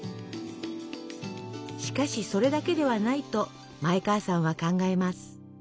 しかしそれだけではないと前川さんは考えます。